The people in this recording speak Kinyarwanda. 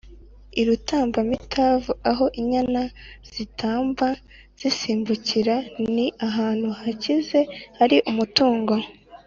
i rutambamitavu: aho inyana zitamba, zisimbagurika ni ahantu hakize, hari umutungo